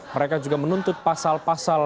mereka juga menuntut pasal pasal